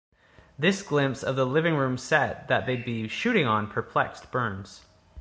This glimpse of the living room set that they'd be shooting on perplexed Burns.